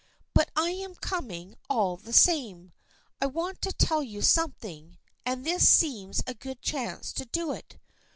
" But I am coming all the same. I want to tell you something, and this seems a good chance to do it.